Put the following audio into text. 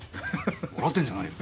笑ってんじゃないよ。